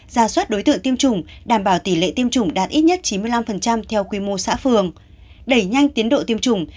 ra soát đối tượng tiêm chủng đảm bảo tỷ lệ tiêm chủng đạt ít nhất chín mươi năm theo quy mô xã phường đẩy nhanh tiến độ tiêm chủng